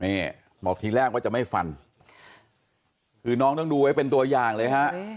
นี่บอกทีแรกว่าจะไม่ฟันคือน้องต้องดูไว้เป็นตัวอย่างเลยฮะ